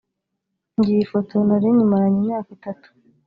njye iyi foto nari nyimaranye imyaka itatu